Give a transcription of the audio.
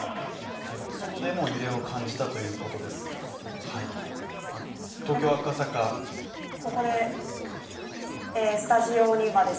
外でも揺れを感じたということです。